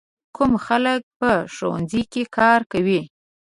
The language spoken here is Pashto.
کوم خلک په ښوونځي کې کار کوي؟